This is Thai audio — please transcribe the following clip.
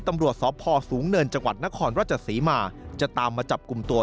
ตำรวจสพสูงเนินจังหวัดนครราชศรีมาจะตามมาจับกลุ่มตัว